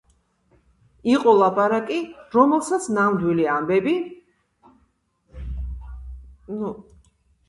იყო ლაპარაკი რომელსაც „ნამდვილი ამბები“